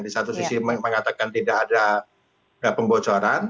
di satu sisi mengatakan tidak ada pembocoran